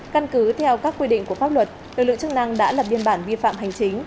căn cứ theo các quy định của pháp luật lực lượng chức năng đã lập biên bản vi phạm hành chính